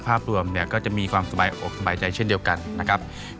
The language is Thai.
ภาพรวมเนี่ยก็จะมีความสบายอกสบายใจเช่นเดียวกันนะครับ